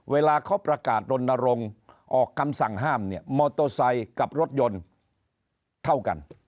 เวลาเขาประกาศรณรงค์ออกคำสั่งห้ามเนี่ยมอเตอร์ไซค์กับรถยนต์เท่ากัน